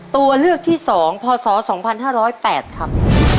ตัวเลือกที่๒พศ๒๕๐๘ครับ